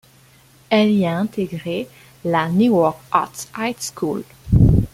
Elle y a intégré la Newark Arts High School.